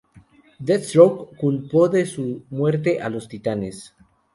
Deathstroke culpó de su muerte a los Titanes.